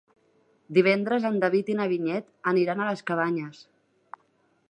Divendres en David i na Vinyet aniran a les Cabanyes.